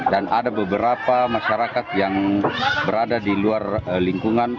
dan ada beberapa masyarakat yang berada di luar lingkungan